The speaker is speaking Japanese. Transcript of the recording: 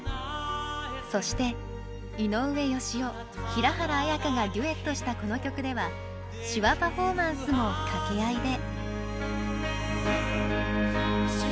平原綾香がデュエットしたこの曲では手話パフォーマンスも掛け合いで。